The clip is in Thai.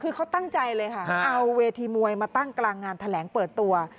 คือเขาตั้งใจเลยค่ะเอาเวทีมวยมาตั้งกลางงานแถลงเปิดตัว